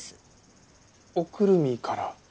おくるみから？